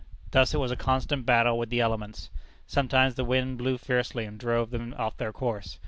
Thus it was a constant battle with the elements. Sometimes the wind blew fiercely and drove them off their course.